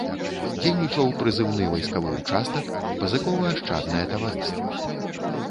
Дзейнічаў прызыўны вайсковы ўчастак, пазыкова-ашчаднае таварыства.